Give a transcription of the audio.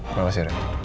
terima kasih rian